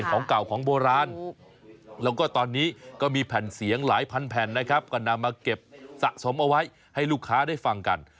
ของเก่าของโบราณแล้วก็ตอนนี้ก็มีแผ่นเสียงหลายพันแผ่นนะครับก็นำมาเก็บสะสมเอาไว้ให้ลูกค้าได้ฟังกัน